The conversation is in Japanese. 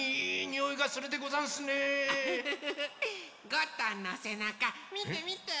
ゴットンのせなかみてみて。